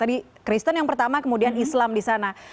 tadi kristen yang pertama kemudian islam di sana